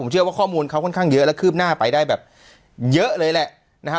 เชื่อว่าข้อมูลเขาค่อนข้างเยอะและคืบหน้าไปได้แบบเยอะเลยแหละนะฮะ